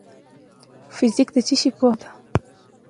فزیک د څه شي پوهنه ده؟